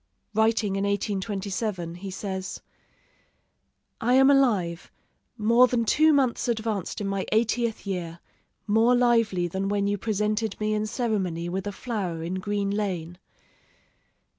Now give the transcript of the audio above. Writing in 1827, he says: "I am alive, more than two months advanced in my eightieth year, more lively than when you presented me in ceremony with a flower in Green Lane.